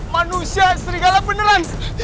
manusia serigala beneran